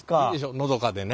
のどかでね。